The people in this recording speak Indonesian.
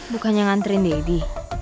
bukannya ngantrin deddy